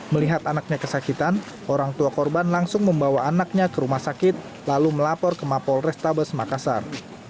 melihat anaknya kesakitan orang tua korban langsung membawa anaknya ke rumah sakit lalu melapor ke mapol restabes makassar